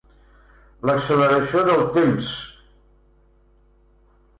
L'acceleració del temps.